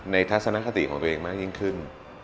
ทัศนคติของตัวเองมากยิ่งขึ้น